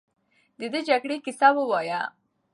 د دې جګړې کیسه ووایه.